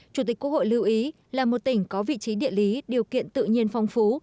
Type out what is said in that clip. chủ tịch quốc hội lưu ý là một tỉnh có vị trí địa lý điều kiện tự nhiên phong phú